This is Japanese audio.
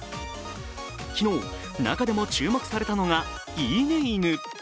昨日、中でも注目されたのがイイネイヌ。